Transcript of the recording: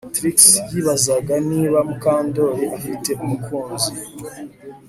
Trix yibazaga niba Mukandoli afite umukunzi